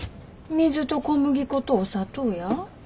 水と小麦粉とお砂糖や。